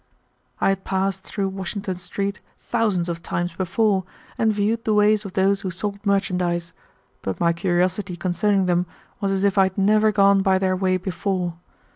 I had passed through Washington Street thousands of times before and viewed the ways of those who sold merchandise, but my curiosity concerning them was as if I had never gone by their way before.